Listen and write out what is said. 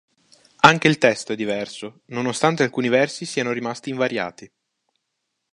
Anche il testo è diverso, nonostante alcuni versi siano rimasti invariati.